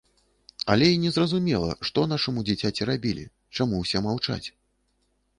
Але і незразумела, што нашаму дзіцяці рабілі, чаму ўсе маўчаць?